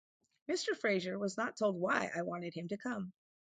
Mr Fraser was not told why I wanted him to come.